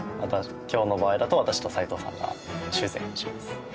今日の場合だと私と齋藤さんが修繕します。